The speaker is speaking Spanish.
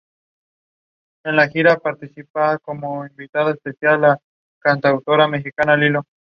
Es hermafrodita, ovíparo y posee una concha calcárea enrollada en espiral.